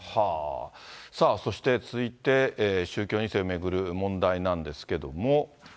そして続いて、宗教２世を巡る問題なんですけども。